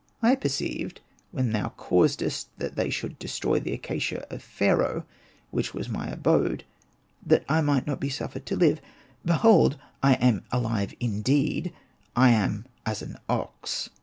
I perceived when thou causedst that they should destroy the acacia of Pharaoh, which was my abode, that I might not be suffered to live. Behold, I am alive indeed, I am as an ox."